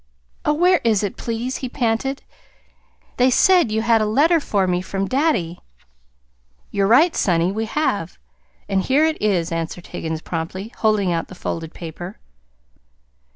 "Oh, where is it, please?" he panted. "They said you had a letter for me from daddy!" "You're right, sonny; we have. And here it is," answered Higgins promptly, holding out the folded paper.